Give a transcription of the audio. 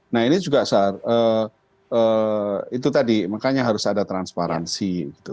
nah ini juga itu tadi makanya harus ada transparansi